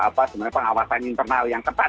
apa sebenarnya pengawasan internal yang ketat